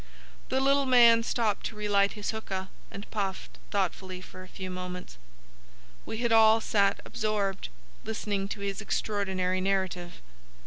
The little man stopped to relight his hookah and puffed thoughtfully for a few moments. We had all sat absorbed, listening to his extraordinary narrative.